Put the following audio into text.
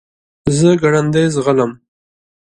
زه ګړندی ځغلم .